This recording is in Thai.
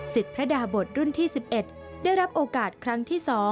พระดาบทรุ่นที่๑๑ได้รับโอกาสครั้งที่๒